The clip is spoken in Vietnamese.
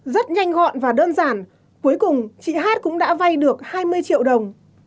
rất nhanh gọn và đơn giản cuối cùng chị hát cũng đã vay được hai mươi triệu đồng